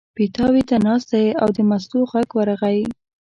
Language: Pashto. پیتاوي ته ناست دی او د مستو غږ ورغی.